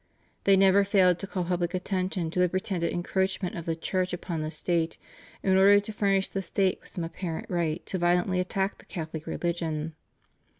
They never failed to call public attention to the pretended encroachment of the Church upon the State, in order to furnish the State with some apparent right to violently attack the Catholic religion.